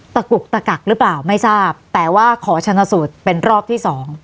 กุกตะกักหรือเปล่าไม่ทราบแต่ว่าขอชนะสูตรเป็นรอบที่สอง